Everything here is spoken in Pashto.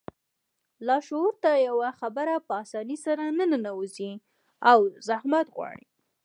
لاشعور ته يوه خبره په آسانۍ سره نه ننوځي او زحمت غواړي.